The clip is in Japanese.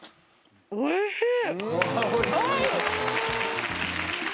おいしい！